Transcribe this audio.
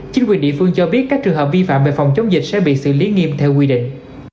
chính quyền địa phương cho biết các trường hợp vi phạm về phòng chống dịch sẽ bị xử lý nghiêm theo quy định